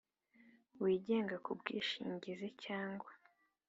wigenga ku mwishingizi cyangwa